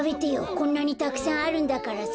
こんなにたくさんあるんだからさ。